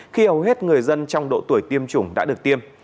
khi hầu hết người dân trong độ tuổi tiêm chủng đã được tiêm